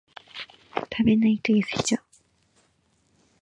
食べないと痩せちゃう